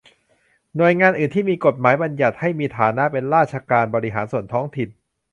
หน่วยงานอื่นที่มีกฎหมายบัญญัติให้มีฐานะเป็นราชการบริหารส่วนท้องถิ่น